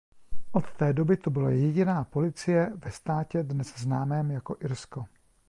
Od té doby to byla jediná policie ve státě dnes známém jako Irsko.